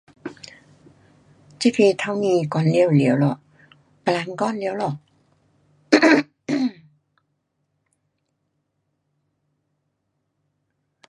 这个刚才讲好了咯，没摊讲了咯。